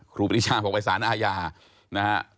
ครูปริชาขอไปศาลอาญานะครับ